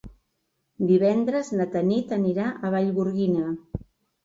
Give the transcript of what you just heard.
Divendres na Tanit anirà a Vallgorguina.